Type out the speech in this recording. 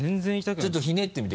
ちょっとつねってみて。